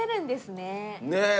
ねえ！